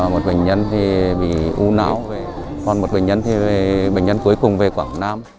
một bệnh nhân thì bị u não còn một bệnh nhân thì bệnh nhân cuối cùng về quảng nam